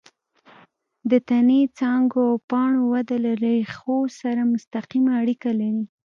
د تنې، څانګو او پاڼو وده له ریښو سره مستقیمه اړیکه لري.